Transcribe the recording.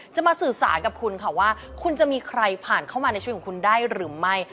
จะมาสื่อสารกับคุณค่ะว่าคุณจะมีใครผ่านเข้ามาในชีวิตของคุณได้หรือไม่